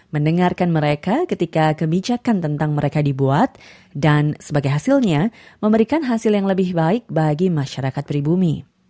mendengarkan mereka ketika kebijakan tentang mereka dibuat dan sebagai hasilnya memberikan hasil yang lebih baik bagi masyarakat pribumi